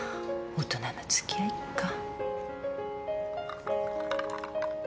大人の付き合いか。